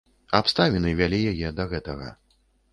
Абставіны вялі яе да гэтага.